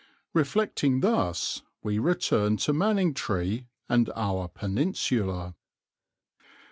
Reflecting thus we return to Manningtree and our peninsula.